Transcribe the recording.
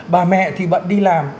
bà mẹ thì bận đi làm